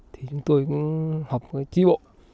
thì chúng tôi cũng học trí bộ